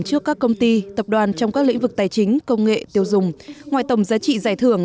trước các công ty tập đoàn trong các lĩnh vực tài chính công nghệ tiêu dùng ngoài tổng giá trị giải thưởng